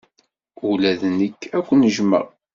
Ula d nekk ad ken-jjmeɣ.